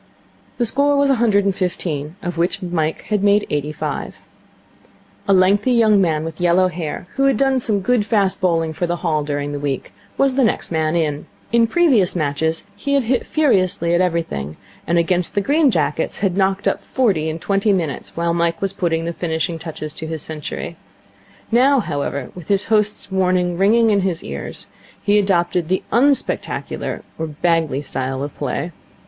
The score was a hundred and fifteen, of which Mike had made eighty five. A lengthy young man with yellow hair, who had done some good fast bowling for the Hall during the week, was the next man in. In previous matches he had hit furiously at everything, and against the Green Jackets had knocked up forty in twenty minutes while Mike was putting the finishing touches to his century. Now, however, with his host's warning ringing in his ears, he adopted the unspectacular, or Bagley, style of play.